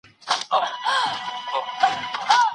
هغه د خپلو جامو نظافت ته نه رسيږي.